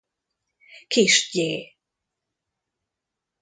Kiss Gy.